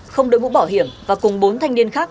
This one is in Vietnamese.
không đối mũ bỏ hiểm và cùng bốn thanh niên khác